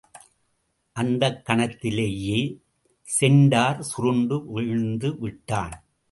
அந்தக்கணத்திலேயே centaur சுருண்டு வீழ்ந்துவிட்டான்.